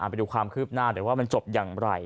ไปดูความคืบหน้าหน่อยว่ามันจบอย่างไร